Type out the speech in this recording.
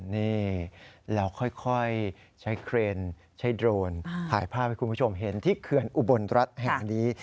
นี่เราค่อยใช้เครนใช้โดรนถ่ายภาพให้คุณผู้ชมเห็นที่เขื่อนอุบลรัฐแห่งนี้